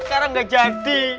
sekarang gak jadi